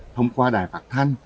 thông qua đài bạc than